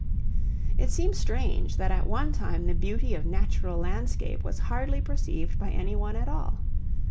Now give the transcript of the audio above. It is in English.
It seems strange that at one time the beauty of natural landscape was hardly perceived by any one at all.